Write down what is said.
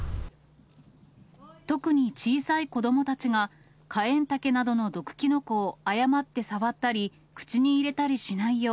特に小さい子どもたちが、カエンタケなどの毒キノコを誤って触ったり、口に入れたりしないよう、